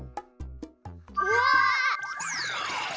うわ！